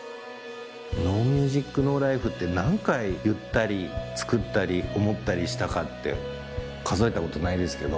「ＮＯＭＵＳＩＣ，ＮＯＬＩＦＥ．」って何回言ったりつくったり思ったりしたかって数えたことないですけど。